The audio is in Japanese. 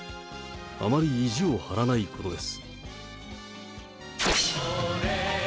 あまり意地を張らないことです。